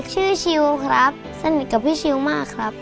ชิลครับสนิทกับพี่ชิวมากครับ